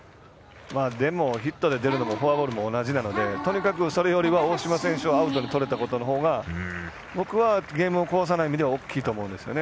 ヒットで出るのもフォアボールで出るのも同じなのでそれよりも大島選手を打ち取れたのが僕はゲームを壊さない意味では大きいと思うんですね。